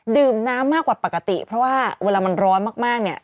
ดื่มน้ำมากกว่าปกติเพราะว่าเวลามันร้อนมากเนี่ย